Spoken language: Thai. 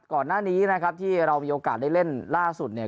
ก่อนหน้านี้นะครับที่เรามีโอกาสได้เล่นล่าสุดเนี่ย